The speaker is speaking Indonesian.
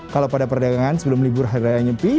kalau pada perdagangan sebelum libur hari raya nyepi